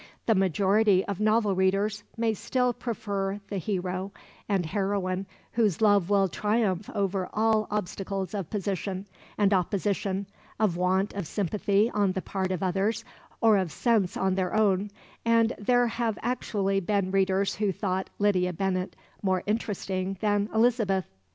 The majority of novel readers may still prefer the hero and heroine whose love will triumph over all obstacles of position, and opposition, of want of sympathy on the part of others or of sense on their own, and there have actually been readers who thought Lydia Bennet more "interesting" than Elizabeth!